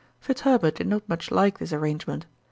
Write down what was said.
Fitzherbert did not much like this arrangement.